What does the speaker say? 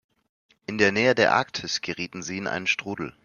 In der Nähe der Arktis gerieten sie in einen Strudel.